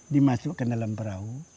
dimasuk ke dalam perahu